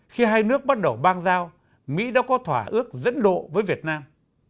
khi hai nước bắt đầu bang giao mỹ đã có thỏa ước dẫn độ với việt nam